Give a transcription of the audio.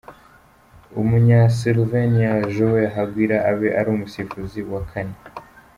Umunya Slovenia, Joel Aguilar abe ari umusifuzi wa kane.